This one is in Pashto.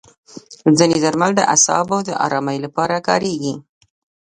ځینې درمل د اعصابو د ارامۍ لپاره کارېږي.